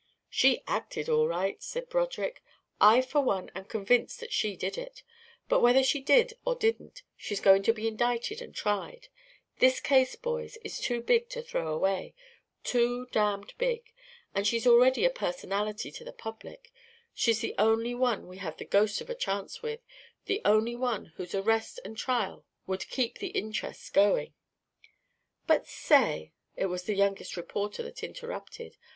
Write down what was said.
"She acted, all right," said Broderick. "I for one am convinced that she did it. But whether she did or didn't, she's got to be indicted and tried. This case, boys, is too big to throw away too damned big; and she's already a personality to the public. She's the only one we have the ghost of a chance with; the only one whose arrest and trial would keep the interest going " "But say!" It was the youngest reporter that interrupted.